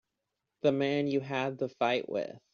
The man you had the fight with.